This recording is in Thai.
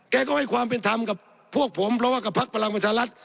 แกก็ให้ความเป็นธรรมกับพวกผมเพราะว่ากับพักพลังประชารัฐ